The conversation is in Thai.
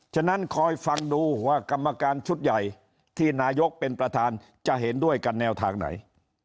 ฉะนั้นคอยฟังดูว่ากรรมการชุดใหญ่ที่นายกเป็นประธานจะเห็นด้วยกันแนวทางไหน